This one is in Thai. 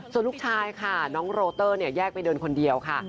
ส่วนลูกชายค่ะน้องโรเตอร์เนี่ยแยกไปเดินคนเดียวค่ะ